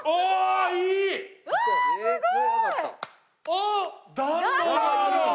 あっ暖炉がある！